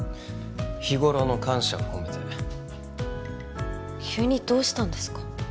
日ごろの感謝を込めて急にどうしたんですか？